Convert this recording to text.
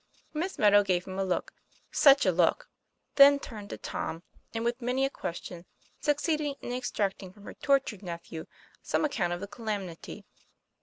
Miss Meadow gave him a look such a look! then turned to Tom, and, with many a question, succeeded in extracting from her tortured nephe'V some account of the calamity.